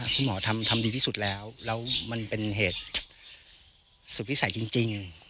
คุณหมอทำดีที่สุดแล้วแล้วมันเป็นเหตุสุดวิสัยจริง